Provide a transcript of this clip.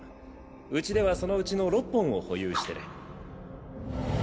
うちではそのうちの６本を保有してる。